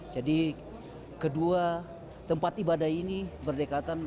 jadi kedua tempat ibadah ini berdekatan